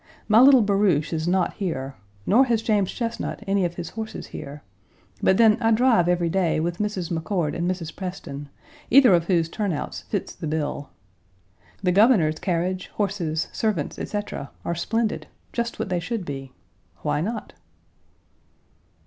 My little barouche is not here, nor has James Chesnut any of his horses here, but then I drive every day with Mrs. McCord and Mrs. Preston, either of whose turnouts fills the bill. The Governor's carriage, horses, servants, etc., are splendid just what they should be. Why not?